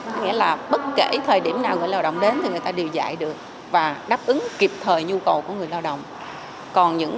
có nghĩa là bất kể thời điểm nào người lao động đến thì người ta đều dạy được và đáp ứng kịp thời nhu cầu của người lao động